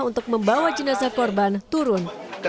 untuk membawa jenazah korban turun